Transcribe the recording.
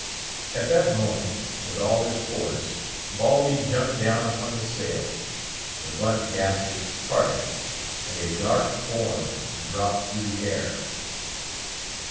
At that moment, with all his force, Baldy jumped down upon the sail; the bunt gasket parted; and a dark form dropped through the air.